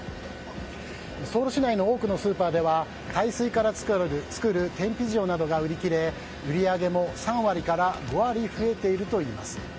ソウル市内の多くのスーパーでは海水から作る天日塩などが売り切れ売り上げも３割から５割増えているといいます。